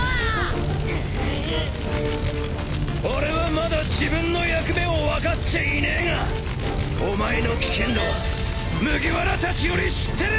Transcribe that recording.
俺はまだ自分の役目を分かっちゃいねえがお前の危険度は麦わらたちより知ってる！